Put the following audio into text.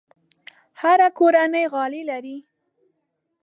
هره کورنۍ غالۍ لري.